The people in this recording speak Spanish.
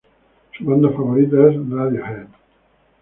Su banda favorita es Radiohead.